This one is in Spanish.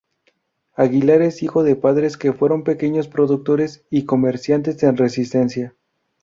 Aguilar es hijo de padres que fueron pequeños productores y comerciantes en Resistencia.